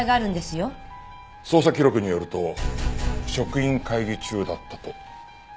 捜査記録によると職員会議中だったと。